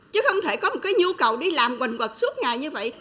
chứ không thể có một cái nhu cầu đi làm quỳnh quật suốt ngày như vậy